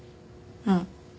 うん。